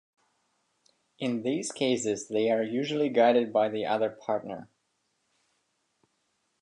In these cases, they are usually guided by the other partner.